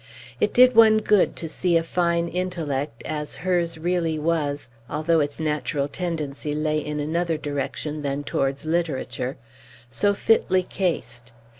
It did one good to see a fine intellect (as hers really was, although its natural tendency lay in another direction than towards literature) so fitly cased.